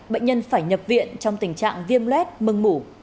bệnh nhân phải nhập viện trong tình trạng viêm luet mừng mủ